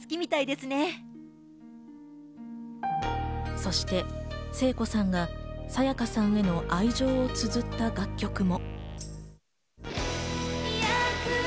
そして聖子さんが沙也加さんへの愛情をつづった楽曲も。